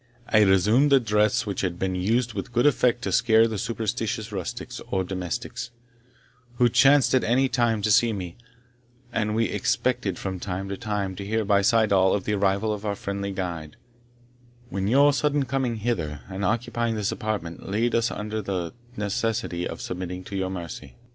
I resumed a dress which had been used with good effect to scare the superstitious rustics, or domestics, who chanced at any time to see me; and we expected from time to time to hear by Syddall of the arrival of our friendly guide, when your sudden coming hither, and occupying this apartment, laid us under the necessity of submitting to your mercy."